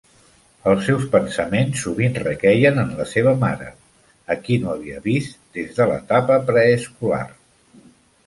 Els seus pensaments sovint requeien en la seva mare, a qui no havia vist des de l'etapa preescolar.